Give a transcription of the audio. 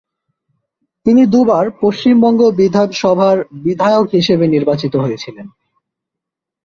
তিনি দুবার পশ্চিমবঙ্গ বিধানসভার বিধায়ক হিসেবে নির্বাচিত হয়েছিলেন।